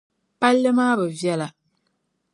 Palli maa bi viεla.